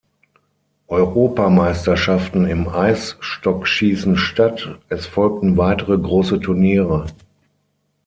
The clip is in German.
Europameisterschaften im Eisstockschießen statt, es folgten weitere große Turniere.